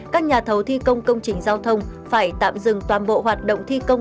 các nhà thầu thi công công trình giao thông phải tạm dừng toàn bộ hoạt động thi công